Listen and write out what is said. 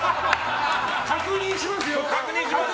確認しますよ。